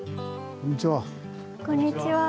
こんにちは。